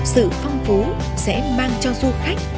sự phong phú sẽ mang cho du khách